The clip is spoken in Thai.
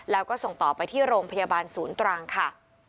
แล้วก็ส่งต่อไปที่โรงพยาบาลศูนย์ตรังค่ะ